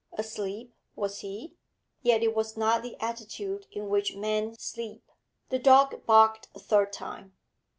Asleep was he? Yet it was not the attitude in which men sleep. The dog barked a third time.